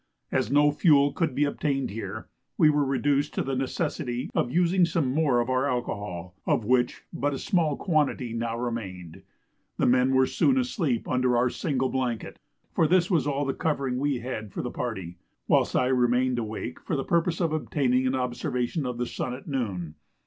As no fuel could be obtained here, we were reduced to the necessity of using some more of our alcohol, of which but a small quantity now remained. The men were soon asleep under our single blanket, (for this was all the covering we had for the party,) whilst I remained awake for the purpose of obtaining an observation of the sun at noon.